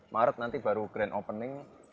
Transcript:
maret nanti baru grand opening